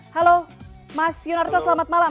halo mas yunarto selamat malam